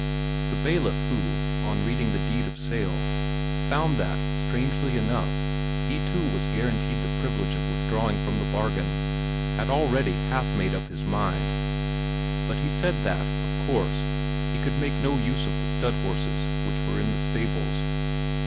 The bailiff who, on reading the deed of sale, found that, strangely enough, he too was guaranteed the privilege of withdrawing from the bargain, had already half made up his mind; but he said that, of course, he could make no use of the stud horses which were in the stables.